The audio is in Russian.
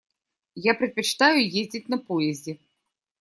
Я предпочитаю ездить на поезде.